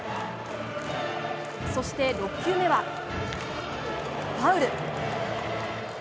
そして６球目は、ファウル。